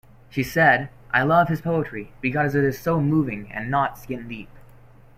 She said: "I love his poetry because it is so moving and not skin-deep".